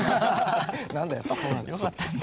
何だやっぱそうなんだ。